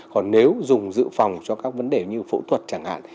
còn nếu dùng dự phòng cho các vấn đề như phẫu thuật chẳng hạn